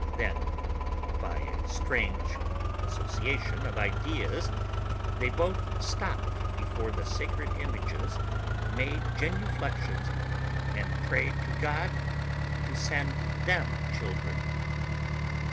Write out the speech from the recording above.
Then, by a strange association of ideas, they both stopped before the sacred images, made genuflections, and prayed to God to send them children.